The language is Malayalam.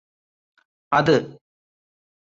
അത്